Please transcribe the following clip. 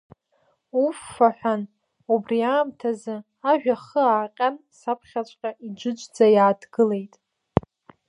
Уфф аҳәан, убри аамҭазы ажә ахы ааҟьан саԥхьаҵәҟьа иџыџӡа иааҭгылеит.